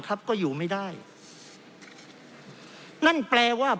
เพราะเรามี๕ชั่วโมงครับท่านนึง